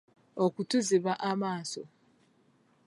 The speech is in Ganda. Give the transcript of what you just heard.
Okutuziba amaaso.